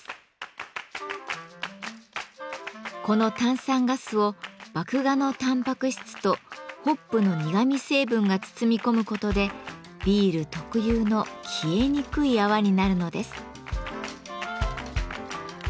この炭酸ガスを麦芽のタンパク質とホップの苦み成分が包み込むことでビール特有の消えにくい泡になるのです。